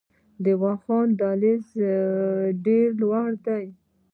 د واخان دهلیز ډیر لوړ دی